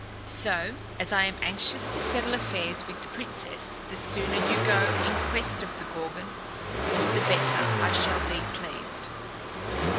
So, as I am anxious to settle affairs with the princess, the sooner you go in quest of the Gorgon, the better I shall be pleased."